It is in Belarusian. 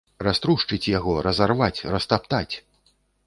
Раструшчыць яго, разарваць, растаптаць.